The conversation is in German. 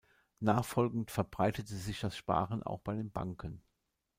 Nachfolgend verbreitete sich das Sparen auch bei den Banken.